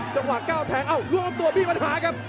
จังหวะก้าวแทงเอ้ารวมตัวมีปัญหาครับ